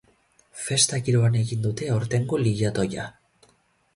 Festa giroan egin dute aurtengo lilatoia.